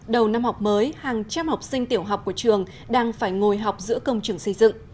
đầu năm học mới hàng trăm học sinh tiểu học của trường đang phải ngồi học giữa công trường xây dựng